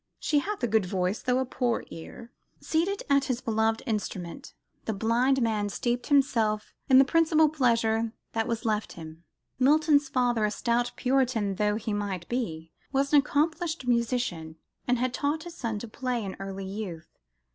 She hath a good voice, though a poor ear." Seated at his beloved instrument, the blind man steeped himself in the principal pleasure that was left him. Milton's father, stout Puritan though he might be, was an accomplished musician, and had taught his son to play in early youth.